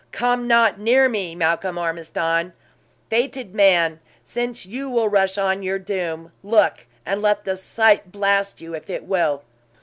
Come not near me, Malcolm Ormiston! Fated man, since you will rush on your doom, Look! and let the sight blast you, if it will!"